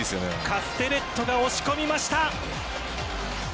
カステレットが押し込みました。